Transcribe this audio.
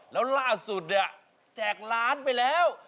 แล้วล่าสุดจากล้านไปแล้ว